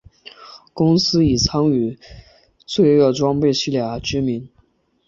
公司以参与罪恶装备系列而知名。